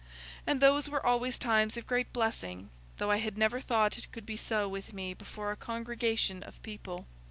And those were always times of great blessing, though I had never thought it could be so with me before a congregation of people.